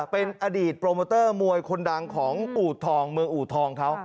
เป็นอดีตโปรโมเตอร์มวยคนดังของอูทองเมืองอูทองเขา